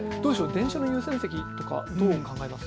電車の優先席とかどうお考えです？